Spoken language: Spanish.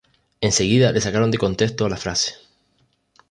Enseguida le sacaron de contexto la frase.